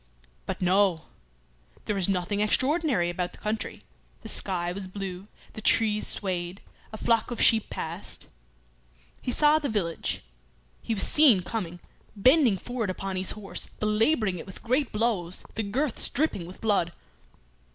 But no! There was nothing extraordinary about the country; the sky was blue, the trees swayed; a flock of sheep passed. He saw the village; he was seen coming bending forward upon his horse, belabouring it with great blows, the girths dripping with blood.